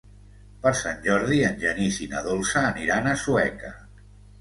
Per Sant Jordi en Genís i na Dolça aniran a Sueca.